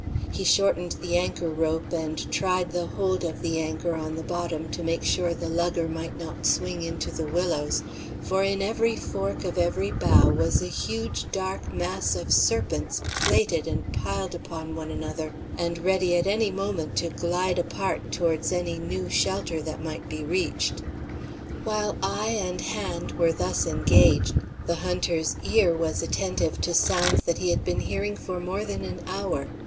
He shortened the anchor rope, and tried the hold of the anchor on the bottom to make sure the lugger might not swing into the willows, for in every fork of every bough was a huge dark mass of serpents plaited and piled one upon another, and ready at any moment to glide apart towards any new shelter that might be reached. While eye and hand were thus engaged, the hunter's ear was attentive to sounds that he had been hearing for more than an hour.